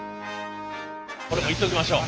これもいっときましょう。